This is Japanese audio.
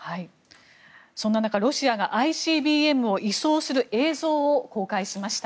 そんな中、ロシアがＩＣＢＭを移送する映像を公開しました。